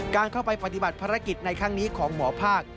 การเข้าไปปฏิบัติภารกิจในครั้งนี้ของหมอภาค